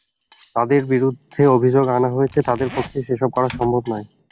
তাঁদের বিরুদ্ধে যেসব অভিযোগ আনা হয়েছে, তাঁদের পক্ষে সেসব করা সম্ভব নয়।